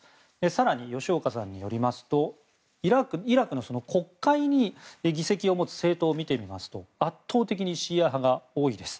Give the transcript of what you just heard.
更に、吉岡さんによりますとイラクの国会に議席を持つ政党を見てみますと圧倒的にシーア派が多いです。